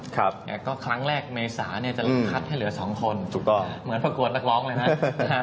ครับเนี่ยก็ครั้งแรกเมษาเนี่ยจะคัดให้เหลือสองคนถูกต้องเหมือนประกวดนักร้องเลยนะครับ